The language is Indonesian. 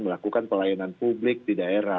melakukan pelayanan publik di daerah